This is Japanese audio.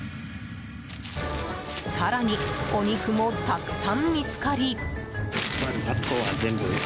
更に、お肉もたくさん見つかり。